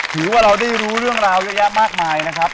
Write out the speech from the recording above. ถือว่าเราได้รู้เรื่องราวเยอะแยะมากมายนะครับ